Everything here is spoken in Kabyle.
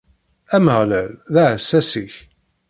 Ameɣlal, d aɛessas-ik.